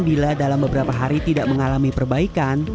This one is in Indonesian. bila dalam beberapa hari tidak mengalami perbaikan